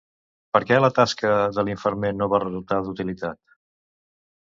Per què la tasca de l'infermer no va resultar d'utilitat?